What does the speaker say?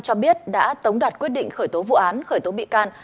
cho biết đã tống đạt quyết định khởi tố vụ án khởi tố bị can